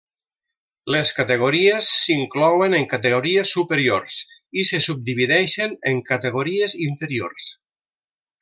Les categories s'inclouen en categories superiors i se subdivideixen en categories inferiors.